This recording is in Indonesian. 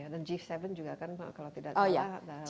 dan g tujuh juga kan kalau tidak salah